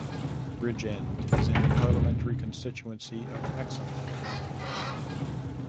Bridge End is in the parliamentary constituency of Hexham.